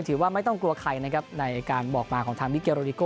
ถือว่าไม่ต้องกลัวใครนะครับในการบอกมาของทางมิเกโรดิโก